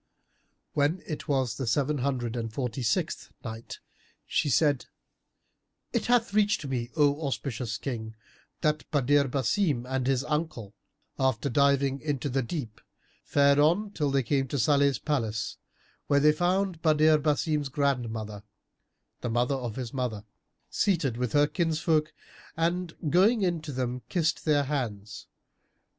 When it was the Seven Hundred and Forty sixth Night, She said, It hath reached me, O auspicious King, that Badr Basim and his uncle, after diving into the deep, fared on till they came to Salih's palace, where they found Badr Basim's grandmother, the mother of his mother, seated with her kinsfolk and, going in to them, kissed their hands.